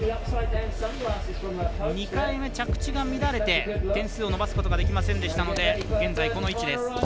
２回目、着地が乱れて点数を伸ばすことができませんでしたので現在、この位置です。